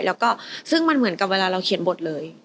แล้วก็ซึ่งมันเหมือนกับเวลาเราเขียนบทเลย